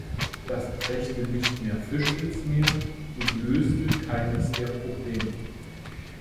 Das brächte nicht mehr Fisch ins Meer und löste keines der Probleme.